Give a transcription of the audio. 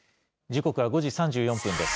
時刻は５時３４分です。